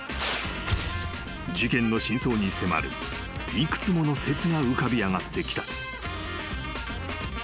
［事件の真相に迫る幾つもの説が浮かび上がってきた］